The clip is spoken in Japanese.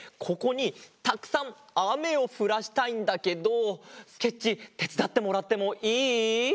ここにたくさんあめをふらしたいんだけどスケッチーてつだってもらってもいい？